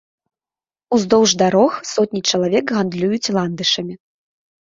Уздоўж дарог сотні чалавек гандлююць ландышамі.